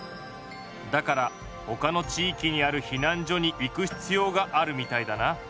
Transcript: だからほかの地いきにある避難所に行くひつようがあるみたいだな。